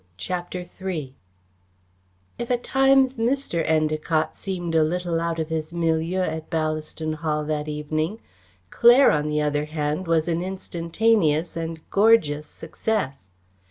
CHAPTER III If at times Mr. Endacott seemed a little out of his milieu at Ballaston Hall that evening, Claire, on the other hand, was an instantaneous and gorgeous success.